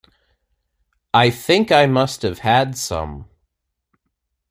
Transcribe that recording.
I think I must have had some.